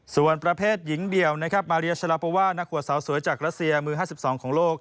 ส่วนประเภทหญิงเดี่ยวนะครับมาเรียชะลาโปว่านักขวดสาวสวยจากรัสเซียมือ๕๒ของโลก